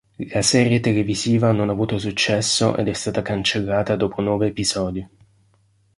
La serie televisiva, non ha avuto successo ed è stata cancellata dopo nove episodi.